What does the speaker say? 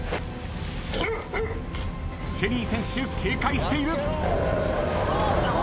シェリー選手警戒している。